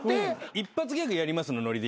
一発ギャグやりますのノリで。